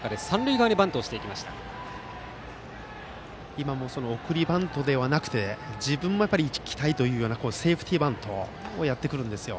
今も送りバントではなくて自分も生きたいというセーフティーバントをやってくるんですよ。